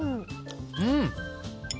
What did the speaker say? うん！